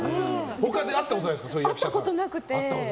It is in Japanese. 他に出会ったことないですか会ったことなくて。